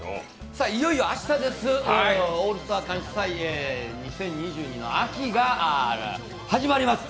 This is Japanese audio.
いよいよ明日です、「オールスター感謝祭２０２２秋」が始まります。